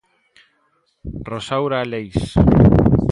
Rosaura Leis.